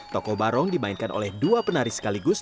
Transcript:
toko barong dimainkan oleh dua penari sekaligus